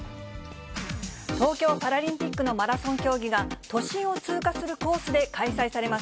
東京パラリンピックのマラソン競技が、都心を通過するコースで開催されます。